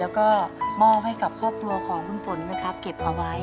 แล้วก็มอบให้กับครอบครัวของคุณฝนนะครับเก็บเอาไว้